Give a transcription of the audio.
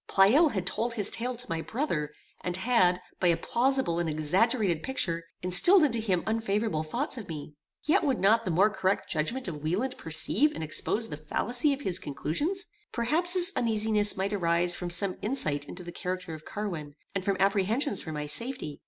Pleyel had told his tale to my brother, and had, by a plausible and exaggerated picture, instilled into him unfavorable thoughts of me. Yet would not the more correct judgment of Wieland perceive and expose the fallacy of his conclusions? Perhaps his uneasiness might arise from some insight into the character of Carwin, and from apprehensions for my safety.